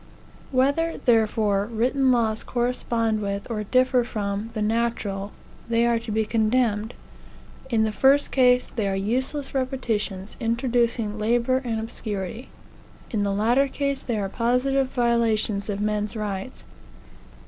Whether, therefore, written laws correspond with, or differ from, the natural, they are to be condemned. In the first case, they are useless repetitions, introducing labor and obscurity. In the latter case, they are positive violations of men's rights.